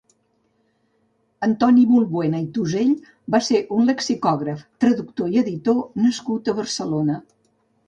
Antoni Bulbena i Tosell va ser un lexicògraf, traductor i editor nascut a Barcelona.